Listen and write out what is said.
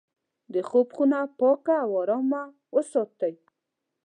د خوب خونه پاکه او ارامه وساتئ.